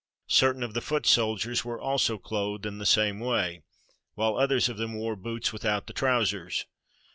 Certain of the foot soldiers were also clothed in the same way; while others of them wore the boots without the trousers.